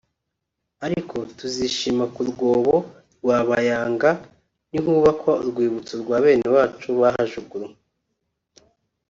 ariko tuzishima ku rwobo rwa Bayanga nihubakwa urwibutso rwa bene wacu bahajugunywe